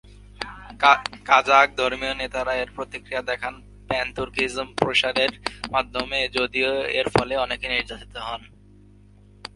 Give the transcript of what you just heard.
Kazakh ধর্মীয় নেতারা এর প্রতিক্রিয়া দেখান প্যান-তুর্কিজম প্রসারের মাধমে, যদিও এর ফলে অনেকে নির্যাতিত হন।